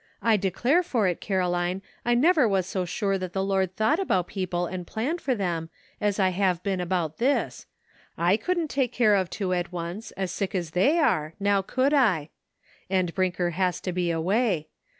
I declare for it, Caroline, I never was so sure that the Lord thought about people and planned for them, as I have been about this ; I couldn't take care of two at once, as sick as they are, now could I ? And Brinker has to be away.